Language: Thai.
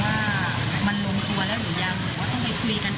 ว่าเค้าไปคุยกันใหม่เหมือนยังไง